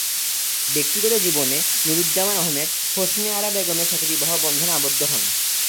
ব্যক্তিগত জীবনে নুরুজ্জামান আহমেদ, হোসনে আরা বেগমের সাথে বিবাহ বন্ধনে আবদ্ধ হন।